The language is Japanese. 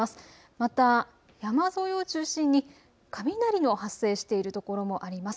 また山沿いを中心に雷の発生しているところもあります。